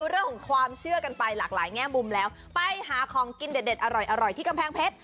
เรื่องของความเชื่อกันไปหลากหลายแง่มุมแล้วไปหาของกินเด็ดอร่อยที่กำแพงเพชร